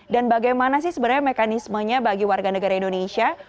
dan bagaimana sih sebenarnya mekanismenya bagi warga negara indonesia